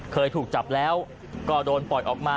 เคยถูกจับแล้วก็โดนปล่อยออกมา